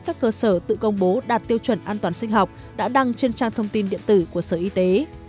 các cơ sở tự công bố đạt tiêu chuẩn an toàn sinh học đã đăng trên trang thông tin điện tử của sở y tế